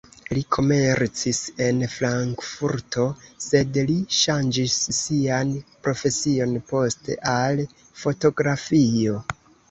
Li komercis en Frankfurto, sed li ŝanĝis sian profesion poste al fotografio.